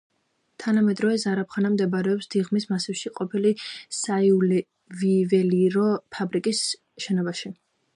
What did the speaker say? თანამედროვე ზარაფხანა მდებარეობს დიღმის მასივში, ყოფილი საიუველირო ფაბრიკის შენობაში.